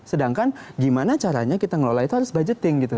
sedangkan gimana caranya kita ngelola itu harus budgeting gitu